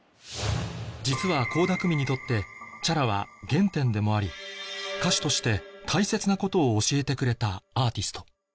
実は倖田來未にとって Ｃｈａｒａ は原点でもあり歌手として大切なことを教えてくれたアーティスト